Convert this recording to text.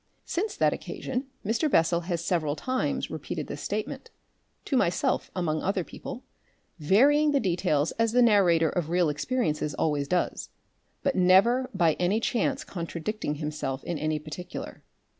Since that occasion Mr. Bessel has several times repeated this statement to myself among other people varying the details as the narrator of real experiences always does, but never by any chance contradicting himself in any particular.